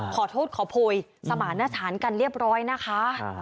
ขอโทษขอโพยสมารณฐานกันเรียบร้อยนะคะ